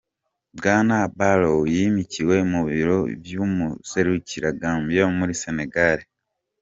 Bwana Barrow yimikiwe mu biro vy'uwuserukira Gambia muri Senegal.